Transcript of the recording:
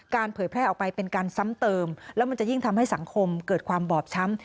เผยแพร่ออกไปเป็นการซ้ำเติมแล้วมันจะยิ่งทำให้สังคมเกิดความบอบช้ำ